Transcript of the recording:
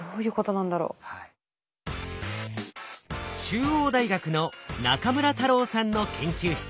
中央大学の中村太郎さんの研究室。